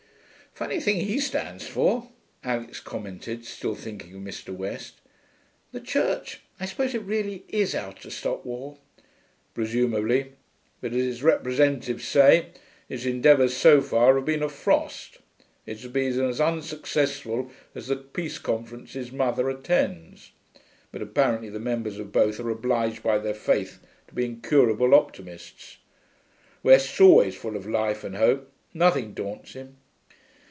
'Funny things he stands for,' Alix commented, still thinking of Mr. West. 'The Church.... I suppose it really is out to stop war.' 'Presumably. But, as its representatives say, its endeavours so far have been a frost. It's been as unsuccessful as the peace conferences mother attends. But apparently the members of both are obliged, by their faith, to be incurable optimists. West's always full of life and hope; nothing daunts him.'